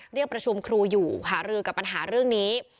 เรียกประชุมครูอยู่หารือกับปัญหาเรื่องนี้